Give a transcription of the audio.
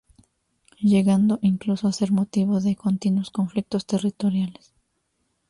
Llegando incluso a ser motivo de continuos conflictos territoriales.